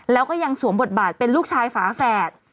แล้วก็ยังสวมบทบาทเป็นลูกชายฝาแฝด